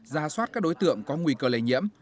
ra soát các đối tượng có nguy cơ lây nhiễm